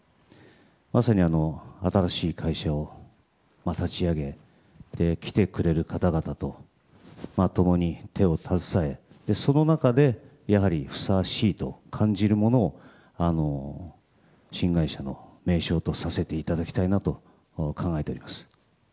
まさに新しい会社を立ち上げ来てくれる方々と共に手を携えその中で、やはりふさわしいと感じるものを新会社の名称とさせていただきたいなと考えております。